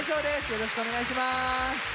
よろしくお願いします。